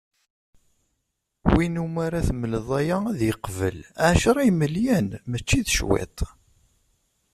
Win umi ara temleḍ aya ad yeqbel, ɛecra n yimelyan! Mačči d cwiṭ.